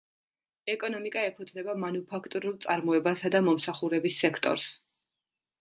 ეკონომიკა ეფუძნება მანუფაქტურულ წარმოებასა და მომსახურების სექტორს.